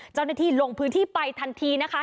เจ้าหน้าที่ลงพื้นที่ไปทันทีนะคะ